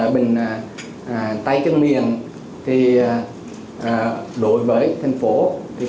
bệnh tay chân miệng đối với tp hcm